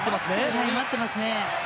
はい待ってますね。